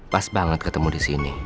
pas banget ketemu di sini